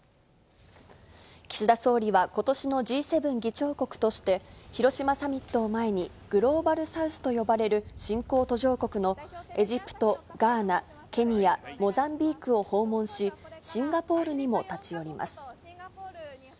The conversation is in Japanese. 岸田総理はことしのＧ７議長国として、広島サミットを前に、グローバルサウスと呼ばれる新興・途上国のエジプト、ガーナ、ケニア、モザンビークを訪問し、シンガポールにも立ち寄ります。